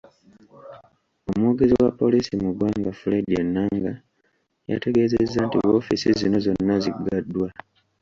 Omwogezi wa Poliisi mu ggwanga Fred Enanga, yategeezezza nti woofiisi zino zonna ziggaddwa.